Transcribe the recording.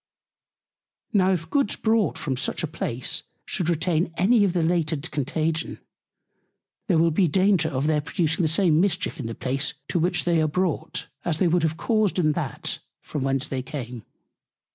Now if Goods brought from such a Place should retain any of the latent Contagion, there will be Danger of their producing the same Mischief in the Place, to which they are brought, as they would have caused in that, from whence they came.